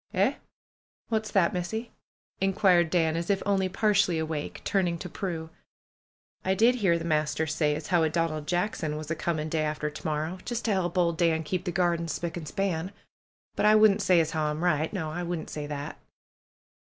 ^'Eh! What's that. Missy ?'^ inquired Dan, as if only partially awake, turning to Prue. did hear the master say as how a Donald Jackson was a coming day after to morrow, just to 'elp old Dan keep the gardens PRUE'S GARDENER 173 spic an' span. But I wouldn't say as liow I'm right. No; I wouldn't say that."